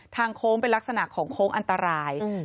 โค้งเป็นลักษณะของโค้งอันตราย